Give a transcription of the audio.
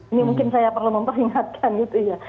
ini mungkin saya perlu memperingatkan gitu ya